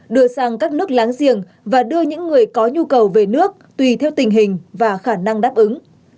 đưa sang các nước láng giềng và đưa những người có nhu cầu về nước tùy theo tình hình và khả năng đáp ứng